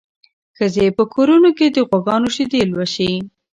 ښځې په کورونو کې د غواګانو شیدې لوشي.